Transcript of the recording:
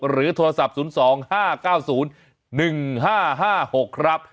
โทรศัพท์๐๒๕๙๐๑๕๕๖ครับ